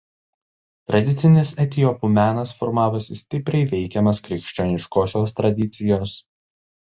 Tradicinis etiopų menas formavosi stipriai veikiamas krikščioniškosios tradicijos.